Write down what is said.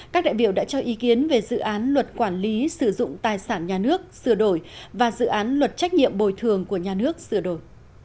các đại biểu đã cho ý kiến về dự án luật quản lý sử dụng tài sản nhà nước sửa đổi và dự án luật trách nhiệm bồi thường của nhà nước sửa đổi